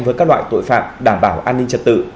với các loại tội phạm đảm bảo an ninh trật tự